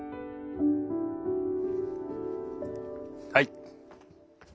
はい。